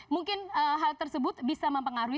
mungkin hal tersebut bisa mempengaruhi